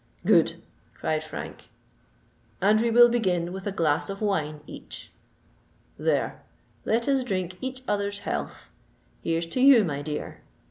"Good!" cried Frank. "And we will begin with a glass of wine each. There—let us drink each other's health. Here's to you, my dear.